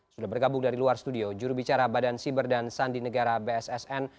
sudah bergabung dari luar studio jurubicara badan siber dan sandi negara bssn